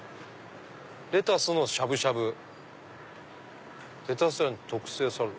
「レタスしゃぶしゃぶ」「レタスやの特製サラダ」。